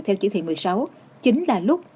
theo chỉ thị một mươi sáu chính là lúc